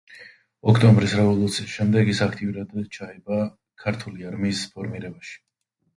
ოქტომბრის რევოლუციის შემდეგ ის აქტიურად ჩაება ქართული არმიის ფორმირებაში.